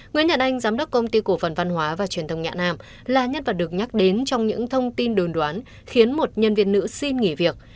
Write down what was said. nguyễn nhật anh giám đốc công ty cổ phần văn hóa và truyền thông nhạ nam là nhân vật được nhắc đến trong những thông tin đồn đoán khiến một nhân viên nữ xin nghỉ việc